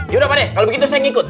yaudah pak deh kalau begitu saya ngikut